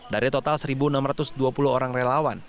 dari total satu enam ratus dua puluh orang relawan